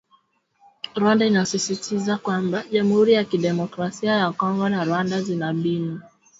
Rwanda inasisitizwa kwamba jamhuri ya kidemokrasia ya Kongo na Rwanda zina mbinu